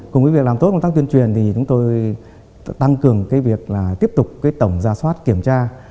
cùng với việc làm tốt công tác tuyên truyền chúng tôi tăng cường việc tiếp tục tổng ra soát kiểm tra